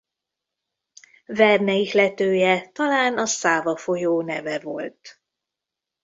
Verne ihletője talán a Száva folyó neve volt.